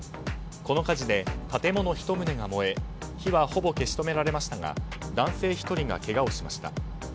この火事で建物１棟が燃え火はほぼ消し止められましたが男性１人がけがをしました。